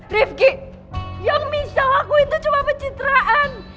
rifqi yang michelle lakuin tuh cuma pencitraan